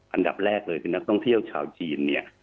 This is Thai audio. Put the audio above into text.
อันดับแรกเลยคือนักท่องเที่ยวชาวจีนเนี่ย